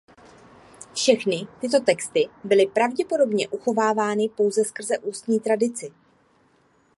Všechny tyto texty byly pravděpodobně uchovávány pouze skrze ústní tradici.